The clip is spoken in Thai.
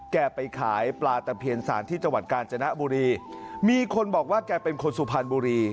ไปขายปลาตะเพียนสารที่จังหวัดกาญจนบุรีมีคนบอกว่าแกเป็นคนสุพรรณบุรี